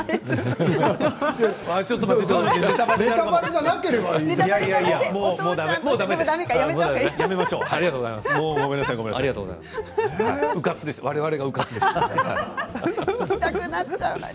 ネタばれじゃなければいいです。